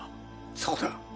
そうだ。